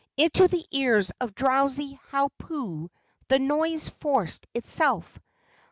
Into the ears of drowsy Hau pu the noise forced itself.